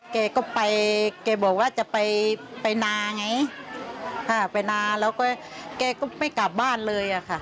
แกก็ไปแกบอกว่าจะไปไปนาไงค่ะไปนาแล้วก็แกก็ไม่กลับบ้านเลยอะค่ะ